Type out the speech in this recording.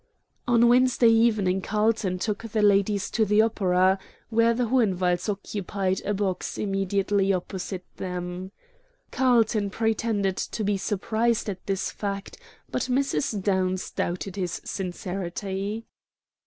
On Wednesday evening Carlton took the ladies to the opera, where the Hohenwalds occupied a box immediately opposite them. Carlton pretended to be surprised at this fact, but Mrs. Downs doubted his sincerity.